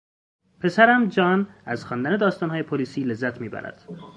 پسرم جان از خواندن داستانهای پلیسی لذت میبرد.